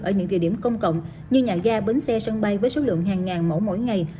ở những địa điểm công cộng như nhà ga bến xe sân bay với số lượng hàng ngàn mẫu mỗi ngày